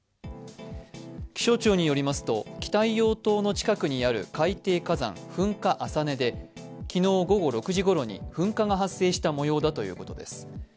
気象庁によりますと北硫黄島の近くにある海底火山・噴火朝根で昨日午後６時ごろに噴火が発生したもようだということです。